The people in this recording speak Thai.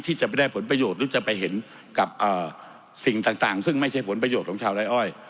ที่จะไปได้ผลประโยชน์หรือจะไปเห็นกับสิ่งต่างซึ่งไม่ใช่ผลประโยชน์ของชาวไร้อ้อย